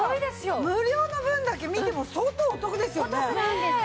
無料の分だけ見ても相当お得ですよね。